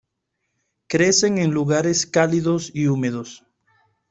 Crecen en lugares cálidos y húmedos.